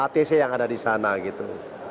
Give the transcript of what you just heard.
atc yang ada di sana gitu